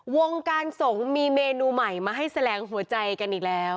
วงการสงฆ์มีเมนูใหม่มาให้แสลงหัวใจกันอีกแล้ว